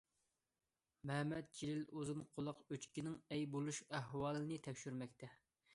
مەمەت جېلىل ئۇزۇن قۇلاق ئۆچكىنىڭ ئەي بولۇش ئەھۋالىنى تەكشۈرمەكتە.